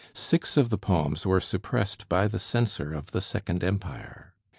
Six of the poems were suppressed by the censor of the Second Empire.